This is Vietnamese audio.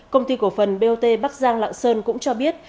công ty cổ phần bot bắc giang lạng sơn cũng cho biết